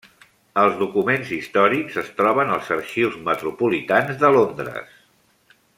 Els documents històrics es troben als arxius metropolitans de Londres.